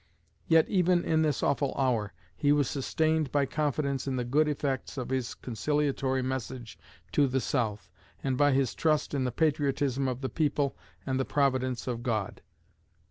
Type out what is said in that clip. Yet even in this awful hour, he was sustained by confidence in the good effects of his conciliatory message to the South, and by his trust in the patriotism of the people and the Providence of God."